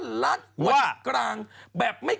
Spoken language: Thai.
จากกระแสของละครกรุเปสันนิวาสนะฮะ